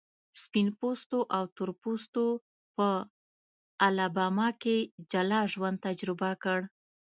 سپین پوستو او تور پوستو په الاباما کې جلا ژوند تجربه کړ.